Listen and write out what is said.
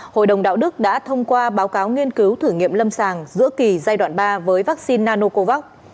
hội đồng đạo đức đã thông qua báo cáo nghiên cứu thử nghiệm lâm sàng giữa kỳ giai đoạn ba với vaccine nanocovax